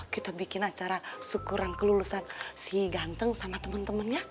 kita bikin acara syukuran kelulusan si ganteng sama temen temennya